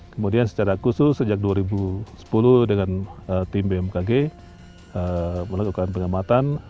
kemudian secara khusus sejak dua ribu sepuluh dengan tim bmkg melakukan pengamatan